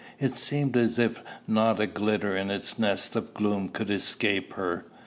It seemed as if not a glitter in its nest of gloom could escape her.